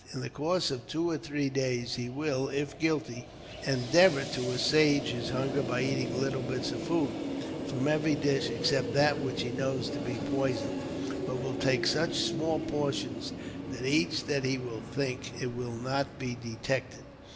In the course of two or three days he will, if guilty, endeavour to assuage his hunger by eating little bits of food, from every dish except that which he knows to be poisoned, but will take such a small portion from each that he will think it will not be detected.